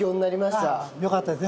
よかったです。